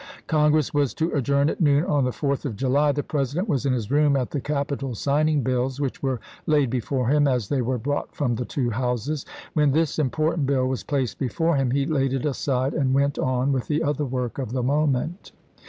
Congress was to adjourn at noon on the Fourth 1864. of July; the President was in his room at the Capi tol signing bills, which were laid before him as they were brought from the two Houses. "When this im portant bill was placed before him he laid it aside and went on with the other work of the moment.